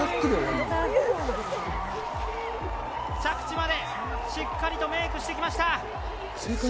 着地までしっかりメークしてきました。